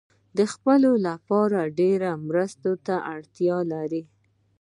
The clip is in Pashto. د ځپلو لپاره ډیرې مرستې ته اړتیا لري.